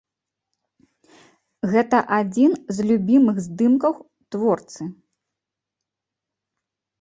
Гэта адзін з любімых здымкаў творцы.